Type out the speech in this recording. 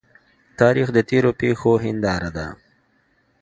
تاریخ د تیرو پیښو هنداره ده.